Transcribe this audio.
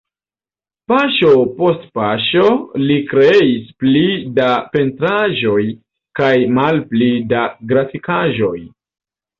Paŝo post paŝo li kreis pli da pentraĵoj kaj malpli da grafikaĵoj.